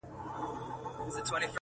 را ایستل یې له قبرونو کفنونه!.